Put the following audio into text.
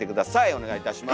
お願いいたします。